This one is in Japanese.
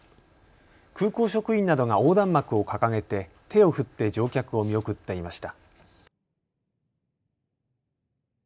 空港職員などが横断幕を掲げて手を振って乗客を見送っていました。